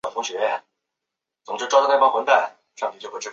科尔莫兰。